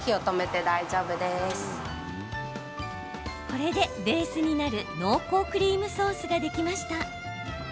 これで、ベースになる濃厚クリームソースができました。